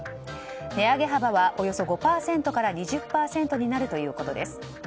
値上げ幅は、およそ５％から２０％になるということです。